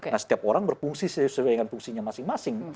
nah setiap orang berfungsi sesuai dengan fungsinya masing masing